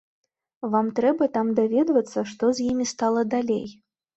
Вам трэба там даведвацца, што з імі стала далей.